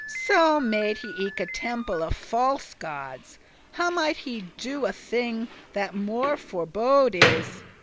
So made he eke a temple of false goddes; How might he do a thing that more forbode* is?